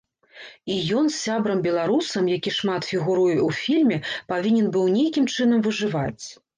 І ён з сябрам-беларусам, які шмат фігуруе ў фільме, павінен быў нейкім чынам выжываць.